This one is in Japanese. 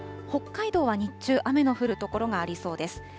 北海道は日中、雨の降る所がありそうです。